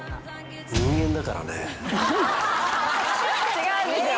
違うんですよ